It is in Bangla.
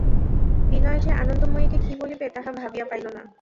বিনয় যে আনন্দময়ীকে কী বলিবে তাহা ভাবিয়া পাইল না।